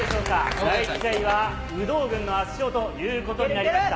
第１試合は有働軍の圧勝ということになりました。